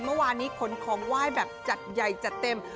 เมื่อวานนี้ขนของไหว้แบบจัดใหญ่จัดเต็ม